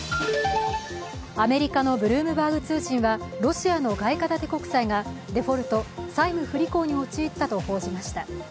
アメリカのブルームバーグ通信はロシアの外貨建て国債がデフォルト＝債務不履行に陥ったと報じました。